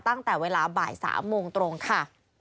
ตั้งแต่เวลาบ่าย๓โมงตรงค่ะ